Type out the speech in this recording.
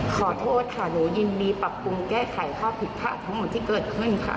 ขอโทษค่ะหนูยินดีปรับปรุงแก้ไขข้อผิดพลาดทั้งหมดที่เกิดขึ้นค่ะ